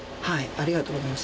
ありがとうございます。